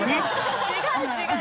違う違う！